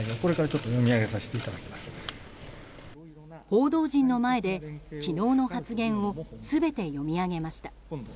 報道陣の前で昨日の発言を全て読み上げました。